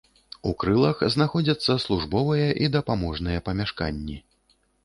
У крылах знаходзяцца службовыя і дапаможныя памяшканні.